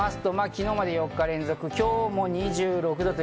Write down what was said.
昨日まで４日連続、今日も２６度。